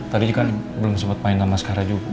tadi juga belum sempat main sama askara juga